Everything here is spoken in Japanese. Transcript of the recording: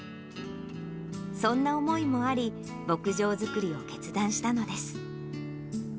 そんな思いもあり、牧場作りを決断したのです。